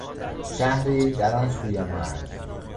شهری در آن سوی مرز